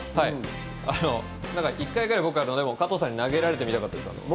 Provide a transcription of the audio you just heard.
１回でいいから加藤さんに投げられてみたかったです。